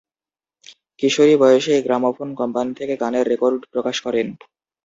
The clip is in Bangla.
কিশোরী বয়সেই গ্রামোফোন কোম্পানি থেকে গানের রেকর্ড প্রকাশ।